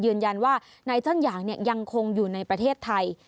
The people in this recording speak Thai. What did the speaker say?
ยืนยันว่านายจันหยางยังคงอยู่ในประเทศไทย